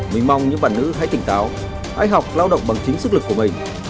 mình mong những bạn nữ hãy tỉnh táo hãy học lao động bằng chính sức lực của mình